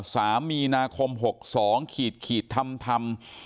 สามมีนาคมหกสองขีดขีดทำทำ